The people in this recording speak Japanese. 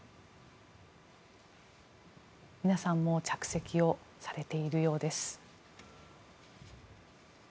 皆さん着席されているようです。